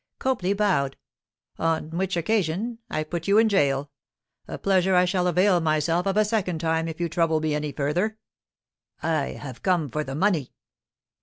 Copley bowed. 'On which occasion I put you in jail—a pleasure I shall avail myself of a second time if you trouble me any further.' 'I have come for the money.